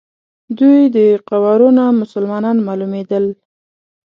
دوی د قوارو نه مسلمانان معلومېدل.